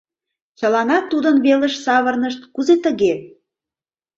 Чыланат тудын велыш савырнышт: «Кузе тыге?